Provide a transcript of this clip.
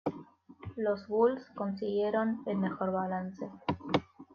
Los Bulls consiguieron el mejor balance.